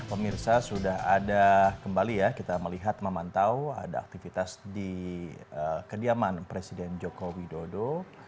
pemirsa sudah ada kembali ya kita melihat memantau ada aktivitas di kediaman presiden joko widodo